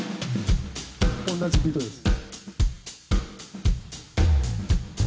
同じビートです。